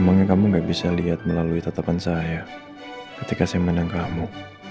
emangnya kamu gak bisa liat melalui tetapan saya ketika saya menang kamu